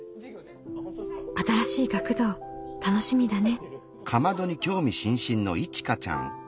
新しい学童楽しみだね。